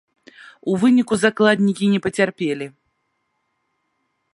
У выніку закладнікі не пацярпелі.